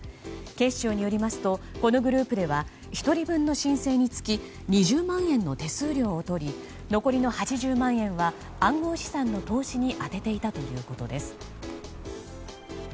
警視庁によりますとこのグループでは１人分の申請につき２０万円の手数料を取り残りの８０万円は暗号資産の投資に充てていたということです。